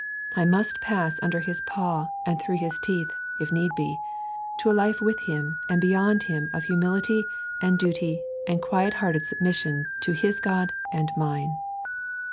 I must pass under his paw and through his teeth, if need be, to a life with him and beyond him of humility and duty and quiet hearted submission to his God and mine.